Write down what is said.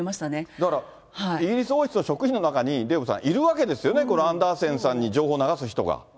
だから、イギリス王室の職員の中に、デーブさん、いるわけですよね、このアンダーセンさんに情報を流す人が。